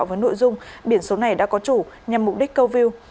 với nội dung biển số này đã có chủ nhằm mục đích câu view